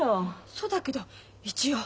そうだけど一応。